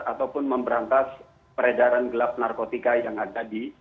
ataupun memberantas peredaran gelap narkotika yang ada di